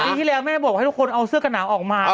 ปีที่แล้วแม่บอกว่าให้ทุกคนเอาเสื้อกับหนาวออกมาเออ